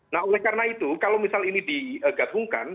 nah oleh karena itu kalau misal ini di gatungkan